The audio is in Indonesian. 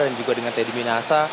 dan juga dengan teddy minahasa